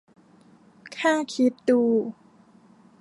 แค่คิดดู !